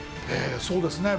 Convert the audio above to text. そうですね